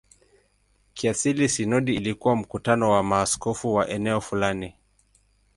Kiasili sinodi ilikuwa mkutano wa maaskofu wa eneo fulani.